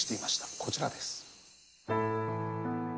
こちらです。